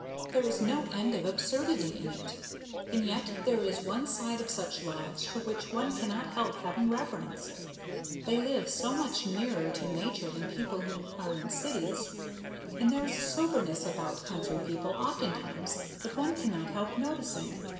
There is no end of absurdity in it, and yet there is one side of such lives for which one cannot help having reverence; they live so much nearer to nature than people who are in cities, and there is a soberness about country people oftentimes that one cannot help noticing.